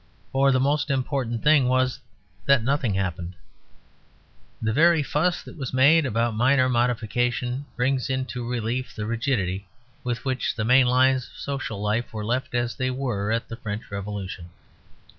For the most important thing was that nothing happened. The very fuss that was made about minor modifications brings into relief the rigidity with which the main lines of social life were left as they were at the French Revolution.